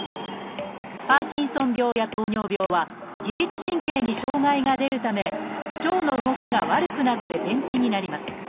「パーキンソン病」や「糖尿病」は自律神経に障害が出るため腸の動きが悪くなって便秘になります。